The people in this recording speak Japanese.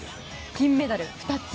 金メダル、２つ。